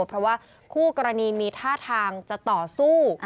เพราะว่าคู่กรณีมีท่าทางจะต่อสู้